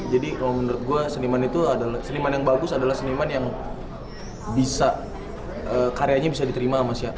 jadi kalau menurut gue seniman yang bagus adalah seniman yang bisa karyanya bisa diterima